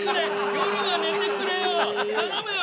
夜はねてくれよ頼むよ。